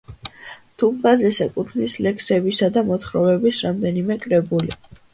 დუმბაძეს ეკუთვნის ლექსებისა და მოთხრობების რამდენიმე კრებული.